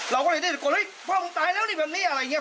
เราก็เลยได้ตะโกนเฮ้ยพ่อมึงตายแล้วนี่แบบนี้อะไรอย่างนี้